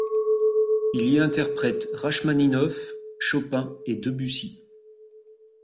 Il y interprète Rachmaninov, Chopin et Debussy.